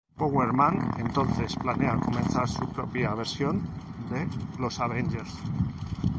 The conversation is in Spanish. Power Man entonces planea comenzar su propia versión de los Avengers.